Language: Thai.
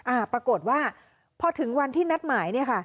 อ่าปรากฏว่าพอถึงวันที่นัดหมายเนี่ยค่ะ